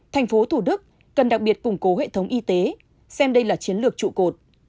thành phố thủ đức cần đặc biệt củng cố hệ thống y tế xem đây là chiến lược trụ cột